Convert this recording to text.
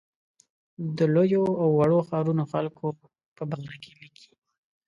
د لویو او وړو ښارونو خلکو په باره کې لیکي.